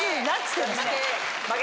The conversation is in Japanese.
負け。